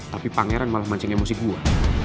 tapi pangeran malah mancing emosi gua